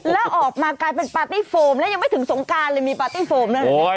แล้วออกมากลายเป็นปาร์ตี้โฟมแล้วยังไม่ถึงสงการเลยมีปาร์ตี้โฟมด้วย